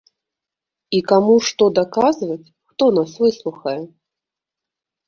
І каму што даказваць, хто нас выслухае?